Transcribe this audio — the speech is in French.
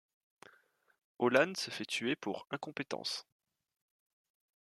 Olan se fait tuer pour incompétence.